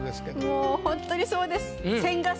もうほんとにそうです。